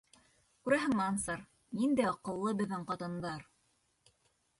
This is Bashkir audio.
Күрәһеңме, Ансар, ниндәй аҡыллы беҙҙең ҡатындар.